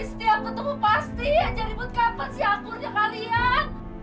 setiap bertemu pasti aja ribut kapal si akurnya kalian